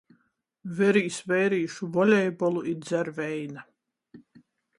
Verīs veirīšu volejbolu i dzer veina.